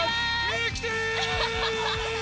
ミキティー！